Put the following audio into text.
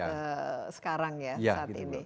ke sekarang ya saat ini